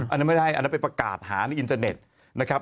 อันนั้นไม่ได้อันนั้นไปประกาศหาในอินเทอร์เน็ตนะครับ